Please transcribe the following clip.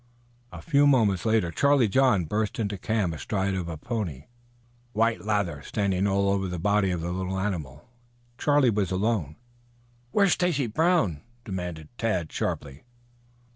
A few moments later Charlie John burst into the camp astride of a pony, white lather standing out all over the body of the little animal. Charlie was alone. "Where is Stacy Brown?" demanded Tad sharply.